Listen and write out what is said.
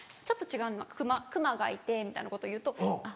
ちょっと違う「クマがいて」みたいなこと言うと。